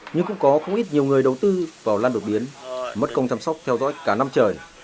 nhưng cũng có không ít nhiều người đầu tư vào lan đột biến mất công chăm sóc theo dõi cả năm trời